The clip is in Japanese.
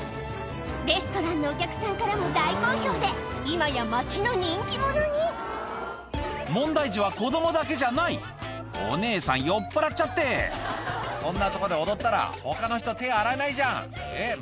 レストランのお客さんからも大好評で今や町の人気者に問題児は子供だけじゃないお姉さん酔っぱらっちゃってそんなとこで踊ったら他の人手洗えないじゃんえっ